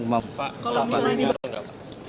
kalau misalnya ini berapa